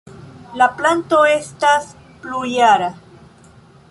La planto estas plurjara.